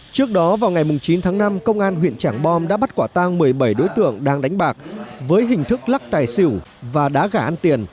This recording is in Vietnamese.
trước đó vào ngày chín tháng năm công an huyện trảng bom đã bắt quả tang một mươi bảy đối tượng đang đánh bạc với hình thức lắc tài xỉu và đá gà ăn tiền